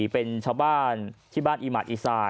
เป็นชาวบ้านที่บ้านอีหมาอีซา